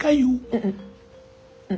うん。